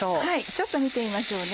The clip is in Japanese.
ちょっと見てみましょうね。